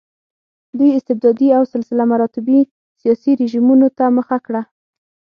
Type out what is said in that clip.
دوی استبدادي او سلسله مراتبي سیاسي رژیمونو ته مخه کړه.